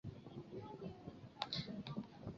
后迁任司仆丞。